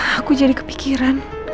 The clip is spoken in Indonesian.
aku jadi kepikiran